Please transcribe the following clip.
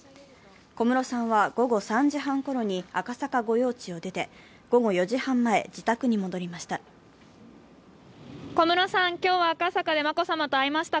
小室さんは午後３時半ころに赤坂御用地を出て、午後４時半前、自宅に戻りました。